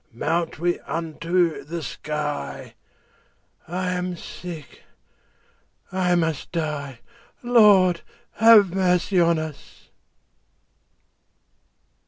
Mount we unto the sky; 40 I am sick, I must die— Lord, have mercy on us!